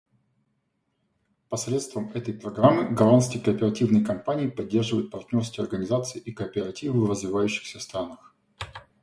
Посредством этой программы голландские кооперативные компании поддерживают партнерские организации и кооперативы в развивающихся странах.